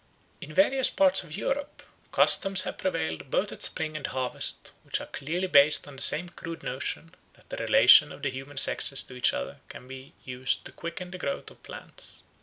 In various parts of Europe customs have prevailed both at spring and harvest which are clearly based on the same crude notion that the relation of the human sexes to each other can be so used as to quicken the growth of plants.